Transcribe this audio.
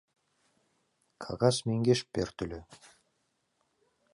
Кагаз мӧҥгеш пӧртыльӧ.